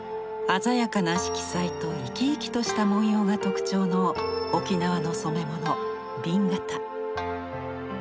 鮮やかな色彩と生き生きとした文様が特徴の沖縄の染め物紅型。